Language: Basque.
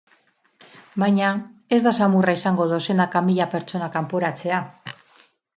Baina, ez da samurra izango dozenaka mila pertsona kanporatzea.